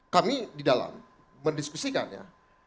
kami di dalam mendiskusikannya